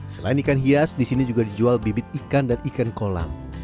selain ikan hias di sini juga dijual bibit ikan dan ikan kolam